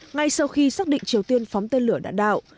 ngay sau khi xác định triều tiên phóng tên lửa đạn đạo